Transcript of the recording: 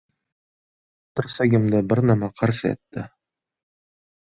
Tirsagimda bir nima qirs etdi.